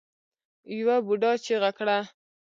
يوه بوډا چيغه کړه.